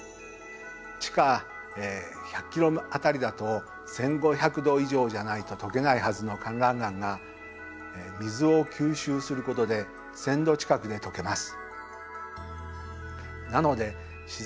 地下１００ｋｍ辺りだと１５００℃以上じゃないととけないはずのかんらん岩が水を吸収することで１０００℃近くでとけます。